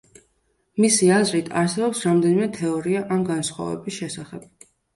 მისი აზრით, არსებობს რემდენიმე თეორია ამ განსხვავების შესახებ.